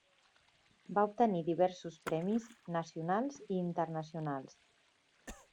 Va obtenir diversos premis nacionals i internacionals.